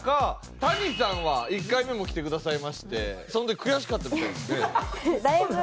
谷さんは１回目も来てくださいましてその時悔しかったみたいですね？